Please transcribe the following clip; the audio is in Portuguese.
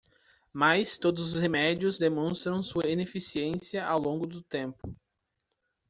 Mas todos os remédios demonstraram sua ineficiência ao longo do tempo.